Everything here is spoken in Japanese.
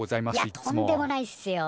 いやとんでもないっすよ。